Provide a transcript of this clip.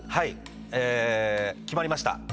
え決まりました。